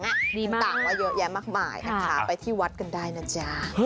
งั้นต่างเยอะแยะมากมายครับถามไปที่วัดก็ได้นะจ๊ะ